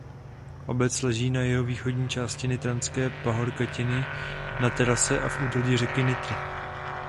Obec leží na jihovýchodní části Nitranské pahorkatiny na terase a v údolí řeky Nitry.